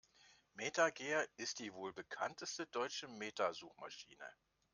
MetaGer ist die wohl bekannteste deutsche Meta-Suchmaschine.